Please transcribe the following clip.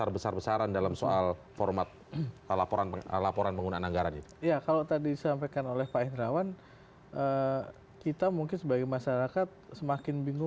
berdampak politis itu